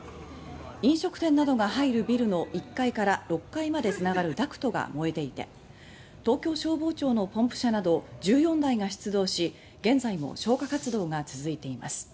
飲食店などが入るビルの１階から６階まで繋がるダクトが燃えていて東京消防庁のポンプ車など１４台が出動し現在も消火活動が続いています。